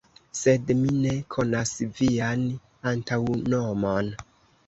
Sed mi ne konas vian antaŭnomon.